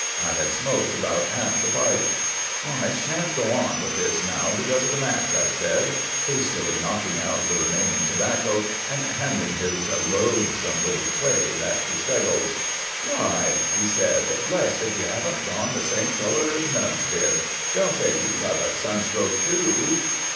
I had smoked about half the pipe. "I sha'n't go on with this now because of the match," I said, hastily knocking out the remaining tobacco and handing his loathsome little clay back to Steggles. "Why!" he said, "blessed if you haven't gone the same color as Nubbs did! Don't say you've got a sunstroke too?"